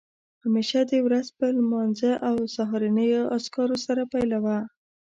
همېشه دې ورځ په لمانځه او سهارنیو اذکارو سره پیلوه